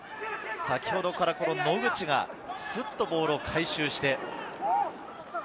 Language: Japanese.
先ほどから野口がスッとボールを回収して。